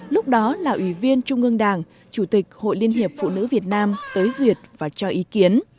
lúc đó là ủy viên trung ương đảng chủ tịch hội liên hiệp phụ nữ việt nam tới duyệt và cho ý kiến